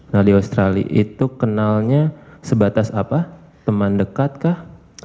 nah di australia itu kenalnya sebatas apa teman dekat kah